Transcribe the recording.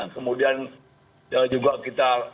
kemudian juga kita